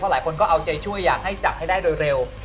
หลายคนก็เอาใจช่วยอยากให้จับให้ได้โดยเร็ว